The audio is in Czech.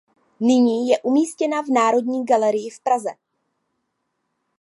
Nyní je umístěna v Národní galerii v Praze.